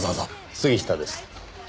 杉下です。